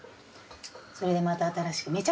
それでまた新しく。